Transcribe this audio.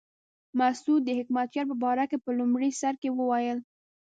مسعود د حکمتیار په باره کې په لومړي سر کې وویل.